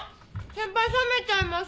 先輩冷めちゃいますよ。